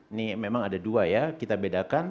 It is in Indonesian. ini memang ada dua ya kita bedakan